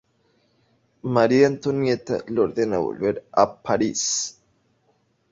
María Antonieta le ordena volver a París.